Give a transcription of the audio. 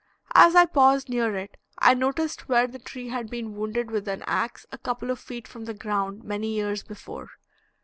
As I paused near it I noticed where the tree had been wounded with an ax a couple of feet from the ground many years before.